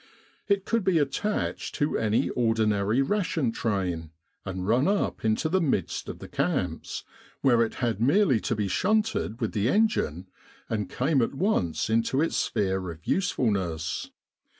It could be attached to any ordinary ration train, and run up into the midst of the camps, where it had merely to be shunted with the engine and came at once into its sphere of usefulness.